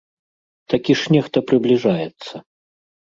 Такі ж нехта прыбліжаецца!